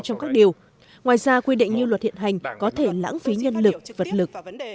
trong các điều ngoài ra quy định như luật hiện hành có thể lãng phí nhân lực vật lực